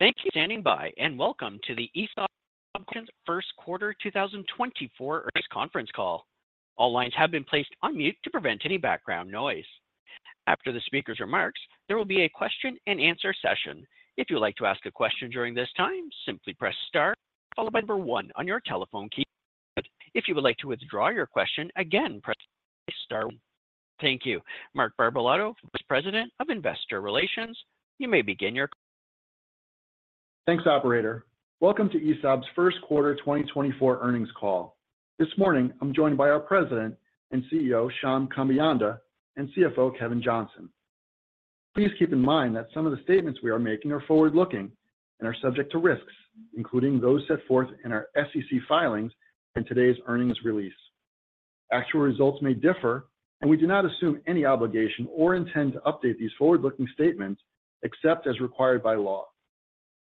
Thank you for standing by, and welcome to the ESAB's 1Q 2024 earnings conference call. All lines have been placed on mute to prevent any background noise. After the speaker's remarks, there will be a question and answer session. If you would like to ask a question during this time, simply press star followed by the number 1 on your telephone keypad. If you would like to withdraw your question, again, press star 1. Thank you. Mark Barbalato, Vice President of Investor Relations, you may begin your- Thanks, operator. Welcome to ESAB's 1Q 2024 earnings call. This morning, I'm joined by our President and CEO, Shyam Kambeyanda, and CFO, Kevin Johnson. Please keep in mind that some of the statements we are making are forward-looking and are subject to risks, including those set forth in our SEC filings and today's earnings release. Actual results may differ, and we do not assume any obligation or intend to update these forward-looking statements except as required by law.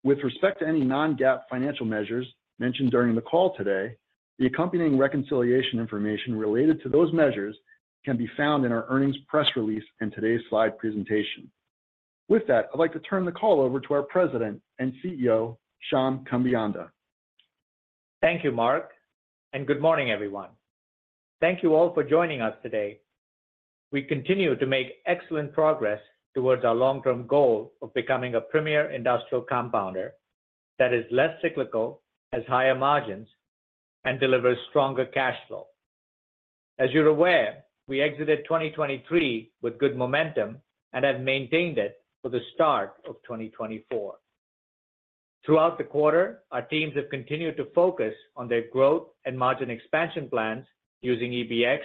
With respect to any non-GAAP financial measures mentioned during the call today, the accompanying reconciliation information related to those measures can be found in our earnings press release and today's slide presentation. With that, I'd like to turn the call over to our President and CEO, Shyam Kambeyanda. Thank you, Mark, and good morning, everyone. Thank you all for joining us today. We continue to make excellent progress towards our long-term goal of becoming a premier industrial compounder that is less cyclical, has higher margins, and delivers stronger cash flow. As you're aware, we exited 2023 with good momentum and have maintained it for the start of 2024. Throughout the quarter, our teams have continued to focus on their growth and margin expansion plans using EBX,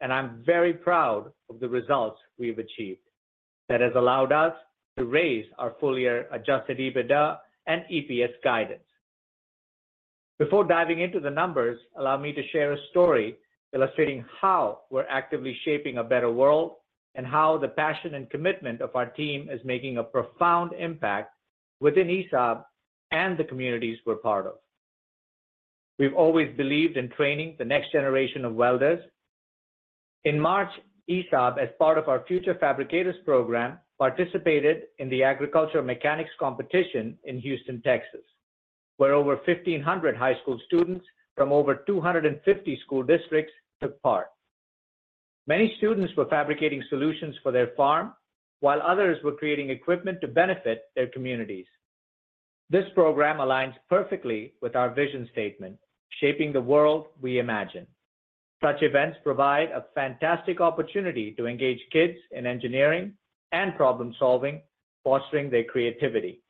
and I'm very proud of the results we've achieved. That has allowed us to raise our full-year adjusted EBITDA and EPS guidance. Before diving into the numbers, allow me to share a story illustrating how we're actively shaping a better world, and how the passion and commitment of our team is making a profound impact within ESAB and the communities we're part of. We've always believed in training the next generation of welders. In March, ESAB, as part of our Future Fabricators program, participated in the Agriculture Mechanics Competition in Houston, Texas, where over 1,500 high school students from over 250 school districts took part. Many students were fabricating solutions for their farm, while others were creating equipment to benefit their communities. This program aligns perfectly with our vision statement, "Shaping the world we imagine." Such events provide a fantastic opportunity to engage kids in engineering and problem-solving, fostering their creativity.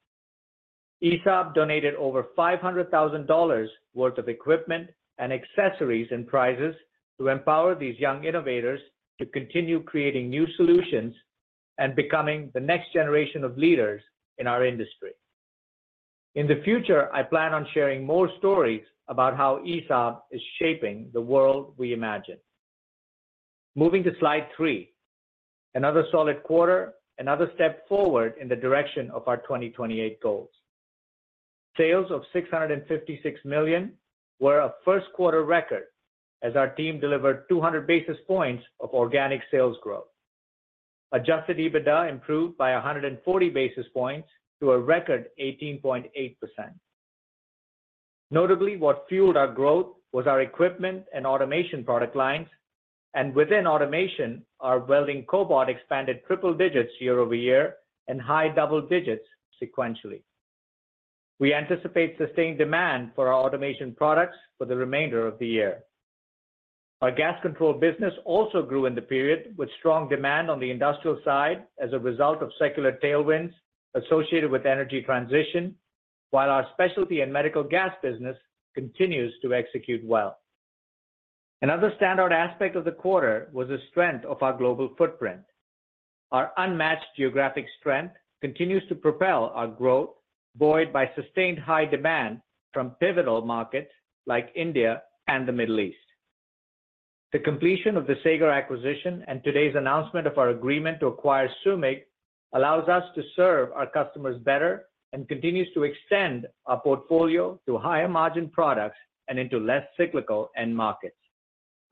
ESAB donated over $500,000 worth of equipment and accessories and prizes to empower these young innovators to continue creating new solutions and becoming the next generation of leaders in our industry. In the future, I plan on sharing more stories about how ESAB is shaping the world we imagine. Moving to Slide 3, another solid quarter, another step forward in the direction of our 2028 goals. Sales of $656 million were a 1Q record as our team delivered 200 basis points of organic sales growth. Adjusted EBITDA improved by 140 basis points to a record 18.8%. Notably, what fueled our growth was our equipment and automation product lines, and within automation, our welding cobot expanded triple digits year-over-year and high double digits sequentially. We anticipate sustained demand for our automation products for the remainder of the year. Our gas control business also grew in the period, with strong demand on the industrial side as a result of secular tailwinds associated with energy transition, while our specialty and medical gas business continues to execute well. Another standout aspect of the quarter was the strength of our global footprint. Our unmatched geographic strength continues to propel our growth, buoyed by sustained high demand from pivotal markets like India and the Middle East. The completion of the Sager acquisition and today's announcement of our agreement to acquire SUMIG allows us to serve our customers better and continues to extend our portfolio to higher-margin products and into less cyclical end markets.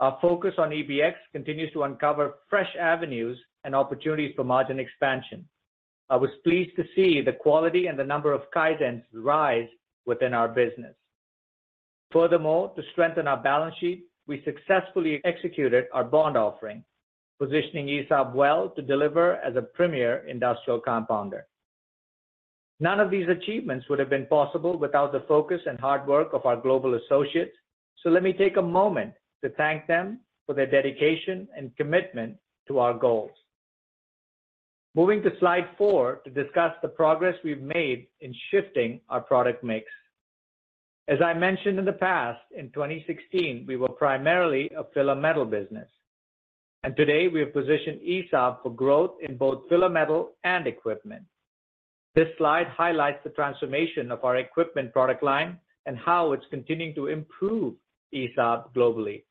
Our focus on EBX continues to uncover fresh avenues and opportunities for margin expansion. I was pleased to see the quality and the number of kaizens rise within our business. Furthermore, to strengthen our balance sheet, we successfully executed our bond offering, positioning ESAB well to deliver as a premier industrial compounder. None of these achievements would have been possible without the focus and hard work of our global associates, so let me take a moment to thank them for their dedication and commitment to our goals. Moving to Slide 4, to discuss the progress we've made in shifting our product mix. As I mentioned in the past, in 2016, we were primarily a filler metal business, and today we have positioned ESAB for growth in both filler metal and equipment. This slide highlights the transformation of our equipment product line and how it's continuing to improve ESAB globally.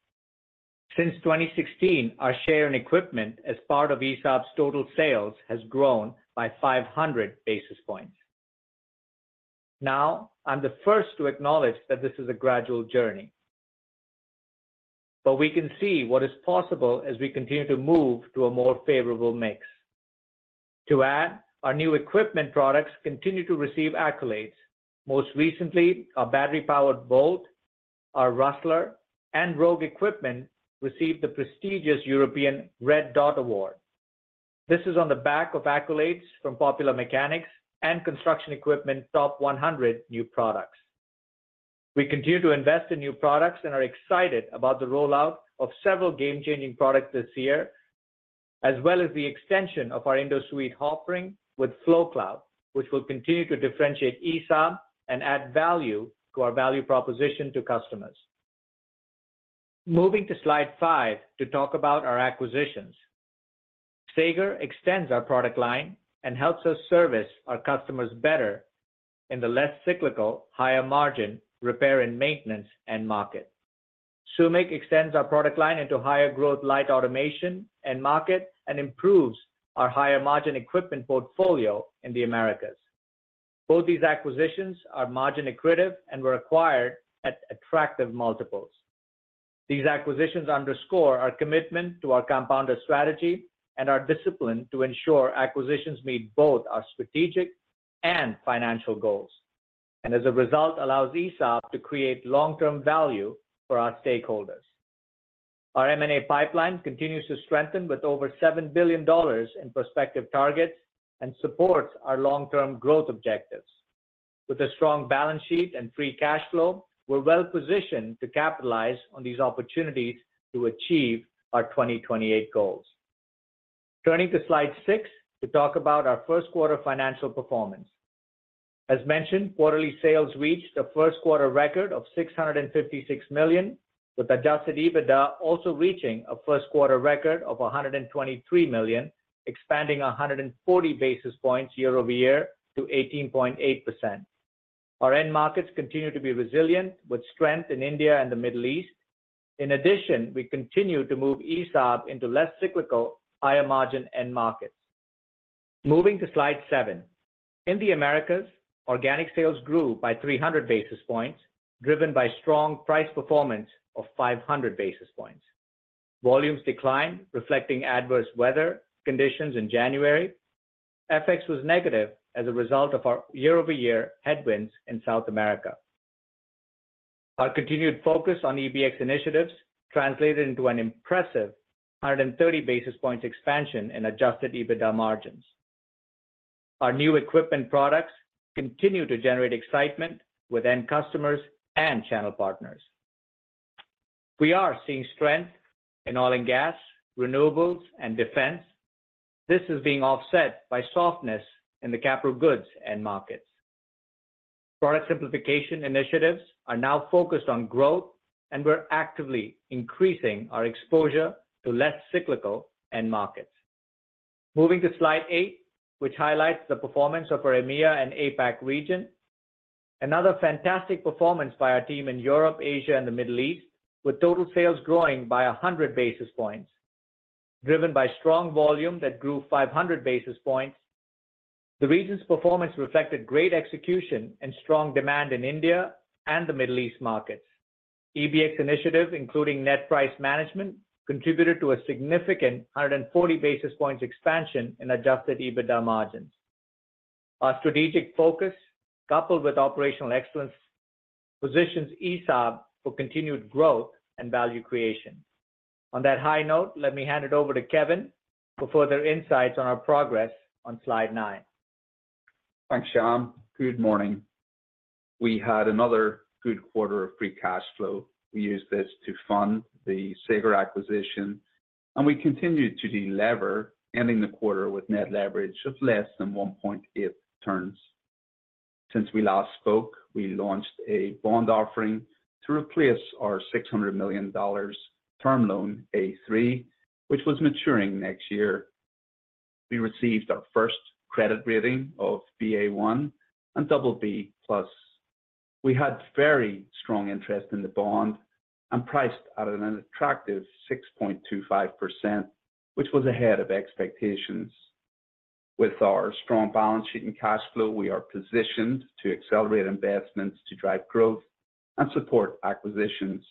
Since 2016, our share in equipment as part of ESAB's total sales has grown by 500 basis points. Now, I'm the first to acknowledge that this is a gradual journey... but we can see what is possible as we continue to move to a more favorable mix. To add, our new equipment products continue to receive accolades. Most recently, our battery-powered Volt, our Rustler, and Rogue equipment received the prestigious European Red Dot Award. This is on the back of accolades from Popular Mechanics and Construction Equipment Top 100 New Products. We continue to invest in new products and are excited about the rollout of several game-changing products this year, as well as the extension of our InduSuite offering with FloCloud, which will continue to differentiate ESAB and add value to our value proposition to customers. Moving to Slide 5 to talk about our acquisitions. Sager extends our product line and helps us service our customers better in the less cyclical, higher margin, repair and maintenance, end market. SUMIG extends our product line into higher growth, light automation, end market, and improves our higher margin equipment portfolio in the Americas. Both these acquisitions are margin accretive and were acquired at attractive multiples. These acquisitions underscore our commitment to our compounder strategy and our discipline to ensure acquisitions meet both our strategic and financial goals, and as a result, allows ESAB to create long-term value for our stakeholders. Our M&A pipeline continues to strengthen with over $7 billion in prospective targets and supports our long-term growth objectives. With a strong balance sheet and free cash flow, we're well positioned to capitalize on these opportunities to achieve our 2028 goals. Turning to Slide 6 to talk about our 1Q financial performance. As mentioned, quarterly sales reached a 1Q record of $656 million, with adjusted EBITDA also reaching a 1Q record of $123 million, expanding 140 basis points year-over-year to 18.8%. Our end markets continue to be resilient, with strength in India and the Middle East. In addition, we continue to move ESAB into less cyclical, higher margin end markets. Moving to Slide 7. In the Americas, organic sales grew by 300 basis points, driven by strong price performance of 500 basis points. Volumes declined, reflecting adverse weather conditions in January. FX was negative as a result of our year-over-year headwinds in South America. Our continued focus on EBX initiatives translated into an impressive 130 basis points expansion in Adjusted EBITDA margins. Our new equipment products continue to generate excitement with end customers and channel partners. We are seeing strength in oil and gas, renewables, and defense. This is being offset by softness in the capital goods end markets. Product simplification initiatives are now focused on growth, and we're actively increasing our exposure to less cyclical end markets. Moving to Slide 8, which highlights the performance of our EMEA and APAC region. Another fantastic performance by our team in Europe, Asia, and the Middle East, with total sales growing by 100 basis points, driven by strong volume that grew 500 basis points. The region's performance reflected great execution and strong demand in India and the Middle East markets. EBX initiative, including net price management, contributed to a significant 140 basis points expansion in adjusted EBITDA margins. Our strategic focus, coupled with operational excellence, positions ESAB for continued growth and value creation. On that high note, let me hand it over to Kevin for further insights on our progress on Slide 9. Thanks, Shyam. Good morning. We had another good quarter of free cash flow. We used this to fund the Sager acquisition, and we continued to delever, ending the quarter with net leverage of less than 1.8 turns. Since we last spoke, we launched a bond offering to replace our $600 million Term Loan A-3, which was maturing next year. We received our first credit rating of Ba1 and BB+. We had very strong interest in the bond and priced at an attractive 6.25%, which was ahead of expectations. With our strong balance sheet and cash flow, we are positioned to accelerate investments to drive growth and support acquisitions.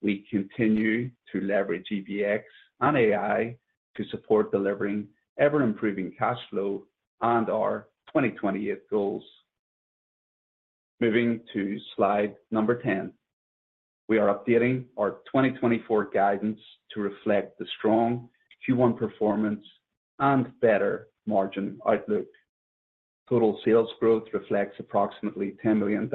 We continue to leverage EBX and AI to support delivering ever-improving cash flow and our 2028 goals. Moving to slide number 10. We are updating our 2024 guidance to reflect the strong Q1 performance and better margin outlook. Total sales growth reflects approximately $10 million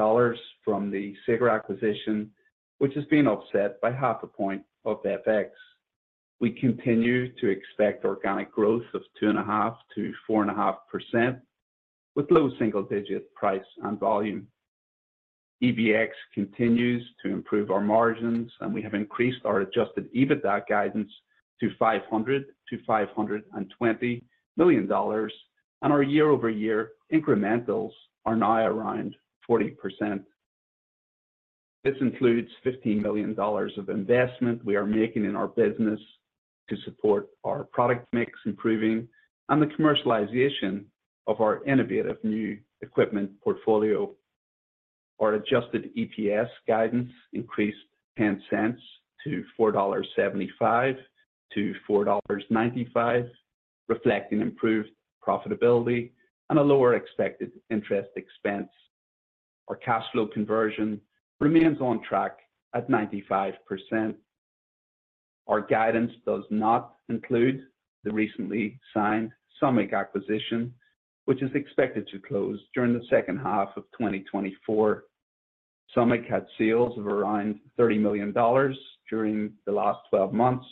from the Sager acquisition, which is being offset by 0.5 point of FX. We continue to expect organic growth of 2.5%-4.5%, with low single-digit price and volume. EBX continues to improve our margins, and we have increased our Adjusted EBITDA guidance to $500 million-$520 million, and our year-over-year incrementals are now around 40%. This includes $15 million of investment we are making in our business to support our product mix improving and the commercialization of our innovative new equipment portfolio.... Our Adjusted EPS guidance increased $0.10 to $4.75-$4.95, reflecting improved profitability and a lower expected interest expense. Our cash flow conversion remains on track at 95%. Our guidance does not include the recently signed SUMIG acquisition, which is expected to close during the second half of 2024. SUMIG had sales of around $30 million during the last 12 months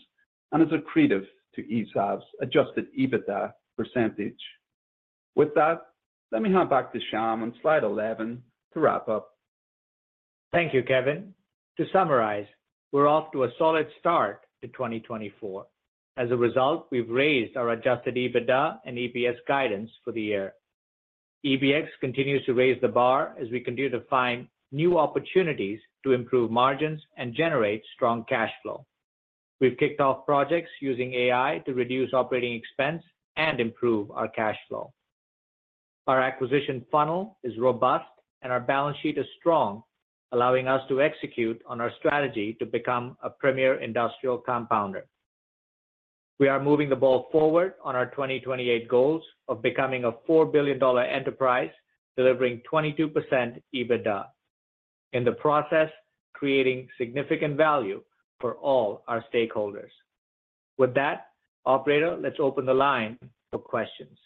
and is accretive to ESAB's Adjusted EBITDA percentage. With that, let me hand back to Shyam on slide 11 to wrap up. Thank you, Kevin. To summarize, we're off to a solid start to 2024. As a result, we've raised our adjusted EBITDA and EPS guidance for the year. EBX continues to raise the bar as we continue to find new opportunities to improve margins and generate strong cash flow. We've kicked off projects using AI to reduce operating expense and improve our cash flow. Our acquisition funnel is robust, and our balance sheet is strong, allowing us to execute on our strategy to become a premier industrial compounder. We are moving the ball forward on our 2028 goals of becoming a $4 billion enterprise, delivering 22% EBITDA, in the process, creating significant value for all our stakeholders. With that, operator, let's open the line for questions.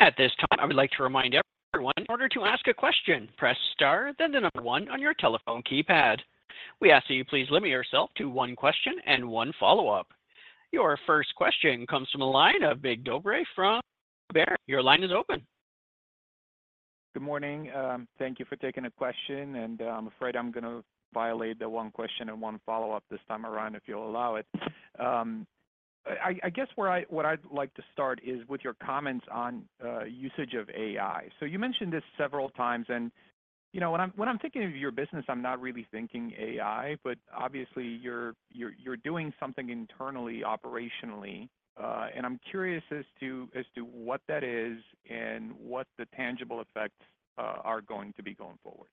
At this time, I would like to remind everyone, in order to ask a question, press star, then 1 on your telephone keypad. We ask that you please limit yourself to one question and one follow-up. Your first question comes from the line of Mig Dobre from Baird. Your line is open. Good morning. Thank you for taking the question, and I'm afraid I'm gonna violate the one question and one follow-up this time around, if you'll allow it. I guess what I'd like to start is with your comments on usage of AI. So you mentioned this several times, and you know, when I'm thinking of your business, I'm not really thinking AI, but obviously, you're doing something internally, operationally, and I'm curious as to what that is and what the tangible effects are going to be going forward.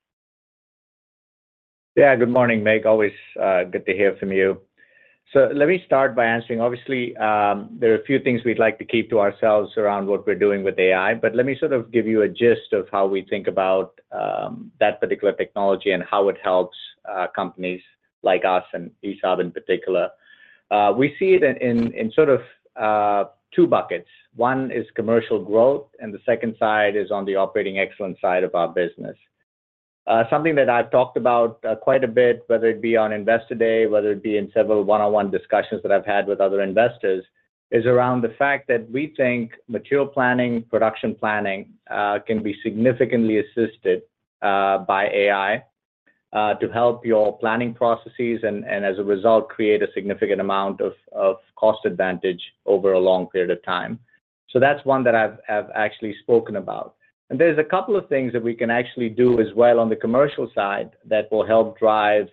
Yeah. Good morning, Mig. Always, good to hear from you. So let me start by answering. Obviously, there are a few things we'd like to keep to ourselves around what we're doing with AI, but let me sort of give you a gist of how we think about that particular technology and how it helps companies like us and ESAB in particular. We see it in sort of two buckets. One is commercial growth, and the second side is on the operating excellence side of our business. Something that I've talked about quite a bit, whether it be on Investor Day, whether it be in several one-on-one discussions that I've had with other investors, is around the fact that we think material planning, production planning, can be significantly assisted by AI to help your planning processes and, as a result, create a significant amount of cost advantage over a long period of time. So that's one that I've actually spoken about. And there's a couple of things that we can actually do as well on the commercial side that will help drive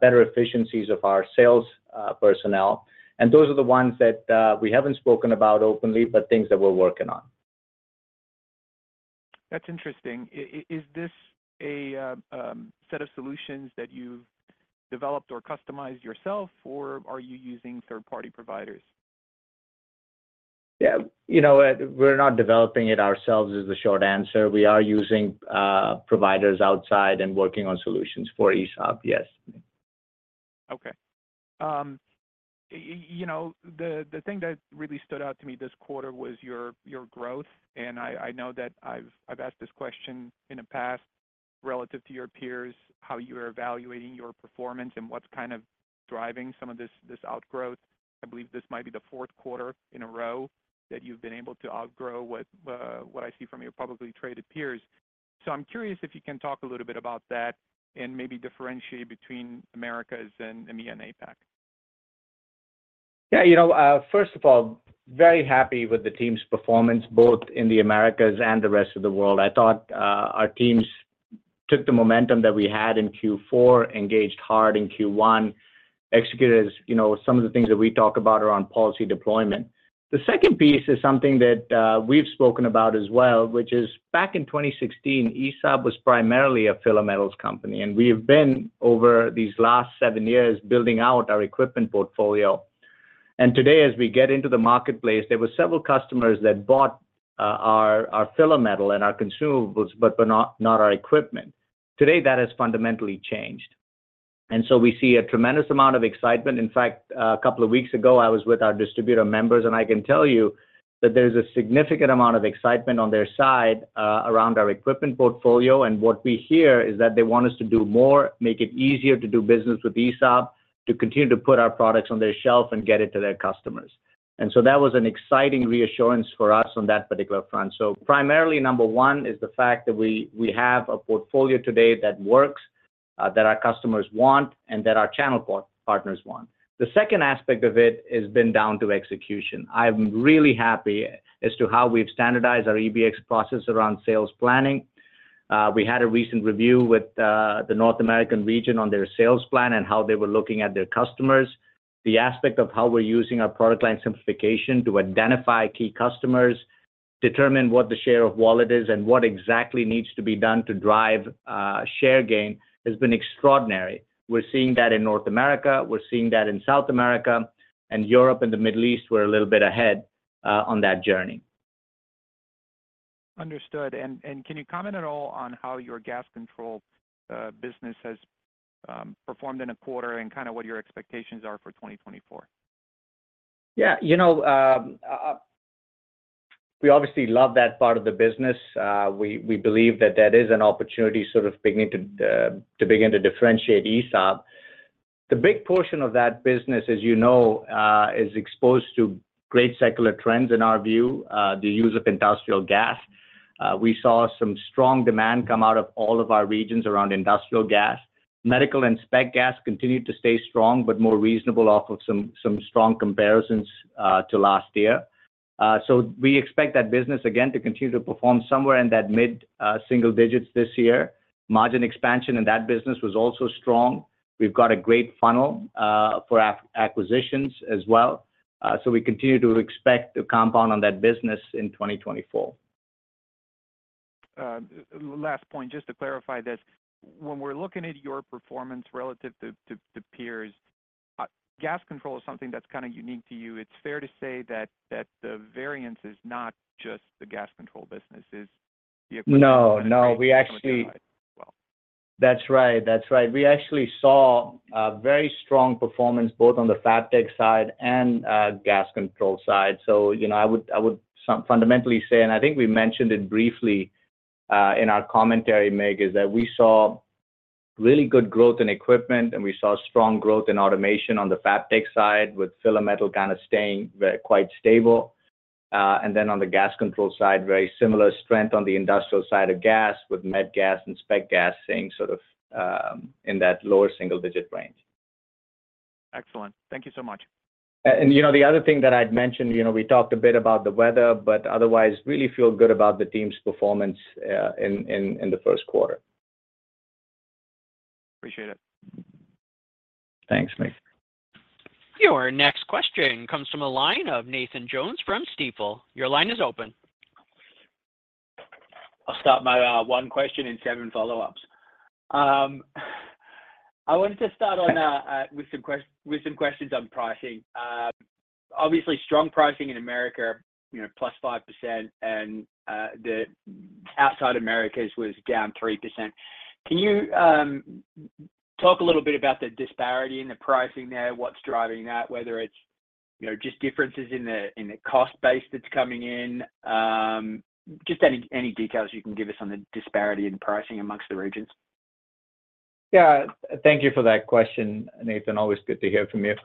better efficiencies of our sales personnel, and those are the ones that we haven't spoken about openly, but things that we're working on. That's interesting. Is this a set of solutions that you've developed or customized yourself, or are you using third-party providers? Yeah, you know what? We're not developing it ourselves is the short answer. We are using providers outside and working on solutions for ESAB. Okay. You know, the thing that really stood out to me this quarter was your growth, and I know that I've asked this question in the past relative to your peers, how you are evaluating your performance and what's kind of driving some of this outgrowth. I believe this might be the fourth quarter in a row that you've been able to outgrow what I see from your publicly traded peers. So I'm curious if you can talk a little bit about that and maybe differentiate between Americas and EMEA and APAC. Yeah, you know, first of all, very happy with the team's performance, both in the Americas and the rest of the world. I thought, our teams took the momentum that we had in Q4, engaged hard in Q1, executed as, you know, some of the things that we talk about around policy deployment. The second piece is something that, we've spoken about as well, which is back in 2016, ESAB was primarily a filler metals company, and we've been, over these last seven years, building out our equipment portfolio. And today, as we get into the marketplace, there were several customers that bought, our, our filler metal and our consumables, but, but not, not our equipment. Today, that has fundamentally changed, and so we see a tremendous amount of excitement. In fact, a couple of weeks ago, I was with our distributor members, and I can tell you that there's a significant amount of excitement on their side around our equipment portfolio, and what we hear is that they want us to do more, make it easier to do business with ESAB, to continue to put our products on their shelf and get it to their customers. And so that was an exciting reassurance for us on that particular front. So primarily, number one, is the fact that we, we have a portfolio today that works, that our customers want and that our channel partners want. The second aspect of it has been down to execution. I'm really happy as to how we've standardized our EBX process around sales planning. We had a recent review with the North American region on their sales plan and how they were looking at their customers. The aspect of how we're using our product line simplification to identify key customers, determine what the share of wallet is, and what exactly needs to be done to drive share gain, has been extraordinary. We're seeing that in North America, we're seeing that in South America, and Europe and the Middle East, we're a little bit ahead on that journey. Understood. And can you comment at all on how your gas control business has performed in a quarter and kind of what your expectations are for 2024? Yeah, you know, we obviously love that part of the business. We believe that that is an opportunity sort of beginning to begin to differentiate ESAB. The big portion of that business, as you know, is exposed to great secular trends in our view, the use of industrial gas. We saw some strong demand come out of all of our regions around industrial gas. Medical and spec gas continued to stay strong, but more reasonable off of some strong comparisons to last year. So we expect that business again to continue to perform somewhere in that mid single digits this year. Margin expansion in that business was also strong. We've got a great funnel for acquisitions as well. So we continue to expect to compound on that business in 2024. Last point, just to clarify this. When we're looking at your performance relative to peers, gas control is something that's kind of unique to you. It's fair to say that the variance is not just the gas control business, is the- No, no, we actually- Well. That's right. That's right. We actually saw a very strong performance, both on the Fabtech side and gas control side. So, you know, I would sum fundamentally say, and I think we mentioned it briefly in our commentary, Mig, is that we saw really good growth in equipment, and we saw strong growth in automation on the Fabtech side, with filler metal kind of staying very quite stable. And then on the gas control side, very similar strength on the industrial side of gas, with med gas and spec gas staying sort of in that lower single digit range. Excellent. Thank you so much. And you know, the other thing that I'd mentioned, you know, we talked a bit about the weather, but otherwise, really feel good about the team's performance in the 1Q. Appreciate it. Thanks, Mig. Your next question comes from the line of Nathan Jones from Stifel. Your line is open. I'll start my one question in seven follow-ups. I wanted to start on with some questions on pricing. Obviously, strong pricing in America, you know, plus 5%, and the outside Americas was down 3%. Can you talk a little bit about the disparity in the pricing there, what's driving that? Whether it's, you know, just differences in the cost base that's coming in. Just any details you can give us on the disparity in pricing amongst the regions. Yeah. Thank you for that question, Nathan. Always good to hear from you.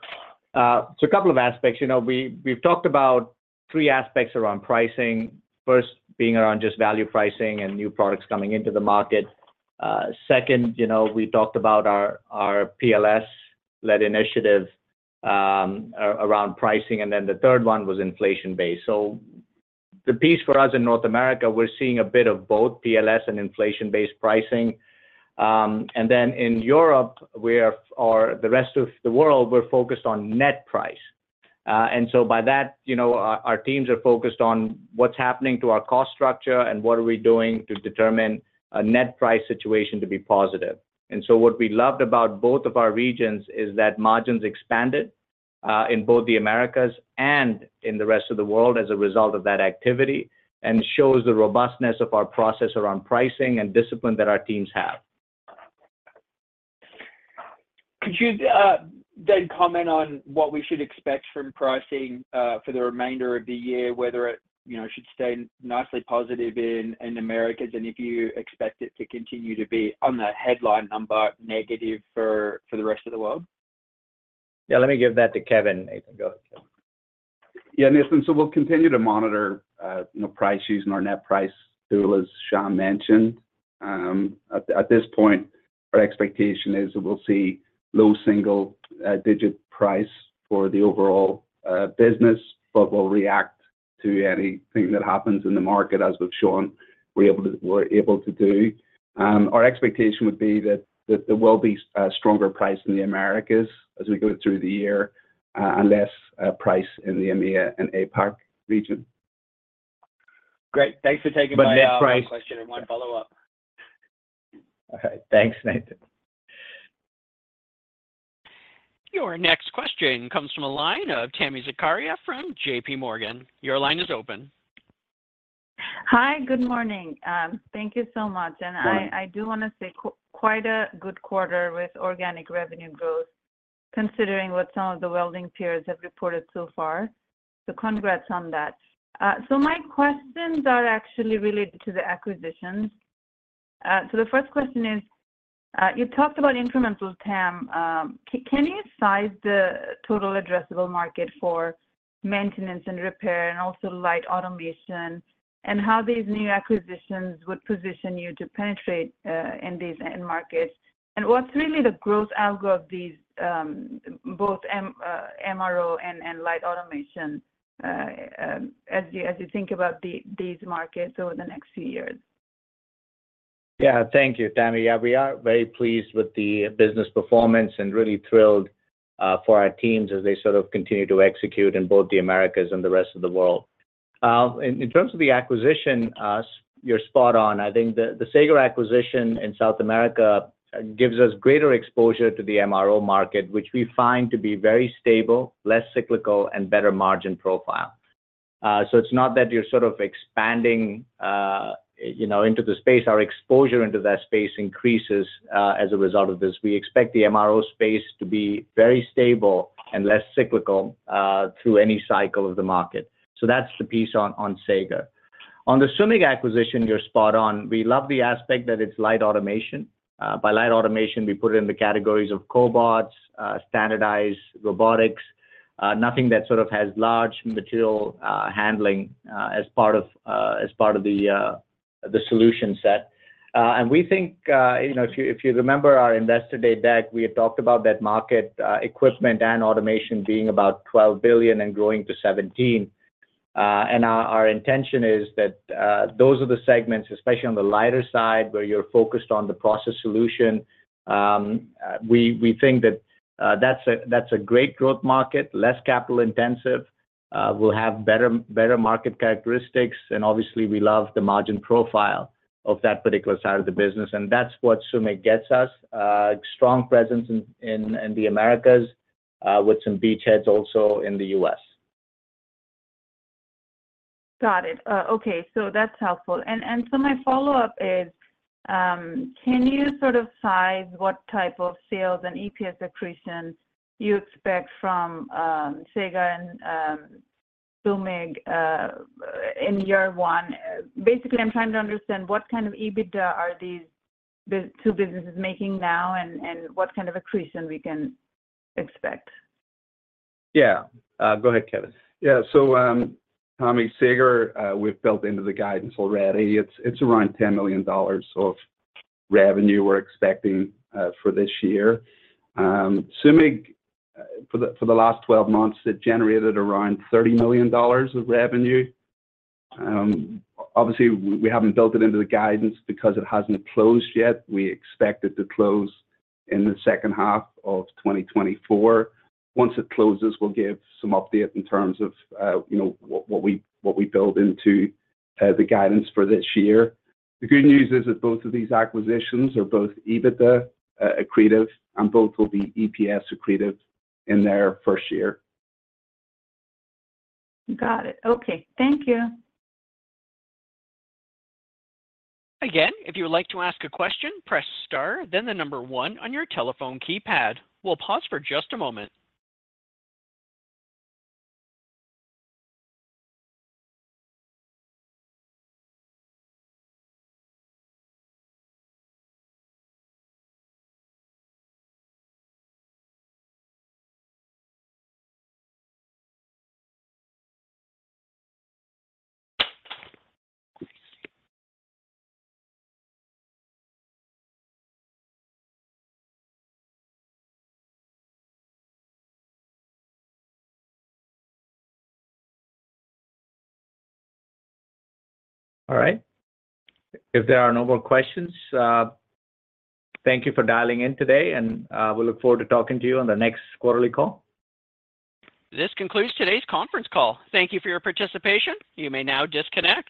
So a couple of aspects. You know, we've talked about three aspects around pricing. First, being around just value pricing and new products coming into the market. Second, you know, we talked about our, our PLS-led initiative, around pricing, and then the third one was inflation base. So the piece for us in North America, we're seeing a bit of both PLS and inflation-based pricing. And then in Europe, or the rest of the world, we're focused on net price. And so by that, you know, our teams are focused on what's happening to our cost structure and what are we doing to determine a net price situation to be positive. And so what we loved about both of our regions is that margins expanded in both the Americas and in the rest of the world as a result of that activity, and shows the robustness of our process around pricing and discipline that our teams have. Could you then comment on what we should expect from pricing for the remainder of the year? Whether it, you know, should stay nicely positive in Americas, and if you expect it to continue to be on the headline number, negative for the rest of the world? Yeah, let me give that to Kevin. Nathan, go ahead, Kevin. Yeah, Nathan, so we'll continue to monitor, you know, price using our net price tool, as Shyam mentioned. At this point, our expectation is that we'll see low single-digit price for the overall business, but we'll react to anything that happens in the market, as with Shyam, we're able to do. Our expectation would be that there will be a stronger price in the Americas as we go through the year, and less price in the EMEA and APAC region. Great. Thanks for taking- But net price- My question and my follow-up. Okay. Thanks, Nathan. Your next question comes from a line of Tami Zakaria from JPMorgan. Your line is open. Hi, good morning. Thank you so much. Hi. I do want to say quite a good quarter with organic revenue growth, considering what some of the welding peers have reported so far. So congrats on that. So my questions are actually related to the acquisitions. So the first question is, you talked about incremental TAM. Can you size the total addressable market for maintenance and repair, and also light automation, and how these new acquisitions would position you to penetrate in these end markets? And what's really the growth algo of these both MRO and light automation as you think about these markets over the next few years? ... Yeah, thank you, Tami. Yeah, we are very pleased with the business performance and really thrilled for our teams as they sort of continue to execute in both the Americas and the rest of the world. In terms of the acquisition, you're spot on. I think the Sager acquisition in South America gives us greater exposure to the MRO market, which we find to be very stable, less cyclical, and better margin profile. So it's not that you're sort of expanding, you know, into the space. Our exposure into that space increases as a result of this. We expect the MRO space to be very stable and less cyclical through any cycle of the market. So that's the piece on Sager. On the SUMIG acquisition, you're spot on. We love the aspect that it's light automation. By light automation, we put it in the categories of cobots, standardized robotics, nothing that sort of has large material handling, as part of the solution set. And we think, you know, if you remember our Investor Day deck, we had talked about that market, equipment and automation being about $12 billion and growing to $17 billion. And our intention is that those are the segments, especially on the lighter side, where you're focused on the process solution. We think that that's a great growth market, less capital intensive, will have better market characteristics, and obviously, we love the margin profile of that particular side of the business, and that's what SUMIG gets us. Strong presence in the Americas, with some beachheads also in the U.S. Got it. Okay, so that's helpful. And so my follow-up is, can you sort of size what type of sales and EPS accretion you expect from, Sager and, SUMIG, in year one? Basically, I'm trying to understand what kind of EBITDA are these two businesses making now and what kind of accretion we can expect. Yeah. Go ahead, Kevin. Yeah. So, Tami, Sager, we've built into the guidance already. It's around $10 million of revenue we're expecting for this year. Sumig, for the last 12 months, it generated around $30 million of revenue. Obviously, we haven't built it into the guidance because it hasn't closed yet. We expect it to close in the second half of 2024. Once it closes, we'll give some update in terms of, you know, what we build into the guidance for this year. The good news is that both of these acquisitions are both EBITDA accretive, and both will be EPS accretive in their first year. Got it. Okay. Thank you. Again, if you would like to ask a question, press star, then the number one on your telephone keypad. We'll pause for just a moment. All right. If there are no more questions, thank you for dialing in today, and we look forward to talking to you on the next quarterly call. This concludes today's conference call. Thank you for your participation. You may now disconnect.